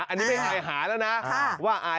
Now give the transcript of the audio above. อันนี้ไม่เอาหายหาแล้วนะ